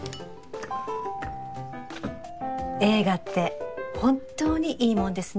映画って本当にいいもんですね。